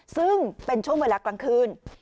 ซึ่งเป็นช่วงเวลากลางคืน